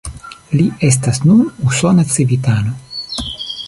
Li estas nun usona civitano.